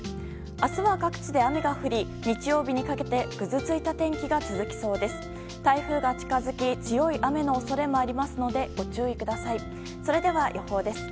明日は、各地で雨が降り日曜日にかけてぐずついた天気が続きそうです。